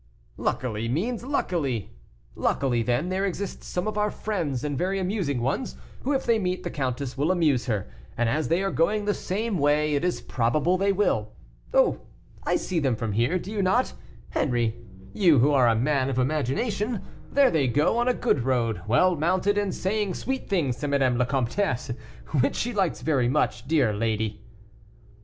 '" "'Luckily' means luckily. Luckily, then, there exist some of our friends, and very amusing ones, who, if they meet the countess, will amuse her, and as they are going the same way, it is probable they will. Oh, I see them from here; do you not, Henri; you, who are a man of imagination? There they go, on a good road, well mounted, and saying sweet things to Madame la Comtesse, which she likes very much, dear lady."